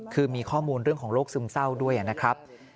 คือมีข้อมูลเรื่องของโรคซึมเศร้าด้วยนะครับ